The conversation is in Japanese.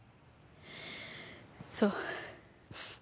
そう。